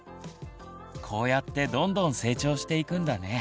こうやってどんどん成長していくんだね。